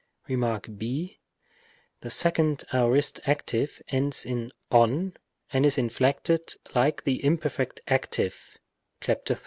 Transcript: Rem. b. The second aorist active ends in ov and is inflected like the imperfect active (ὃ 3).